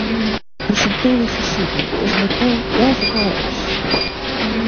Resultou decisivo, pois meteu dez goles.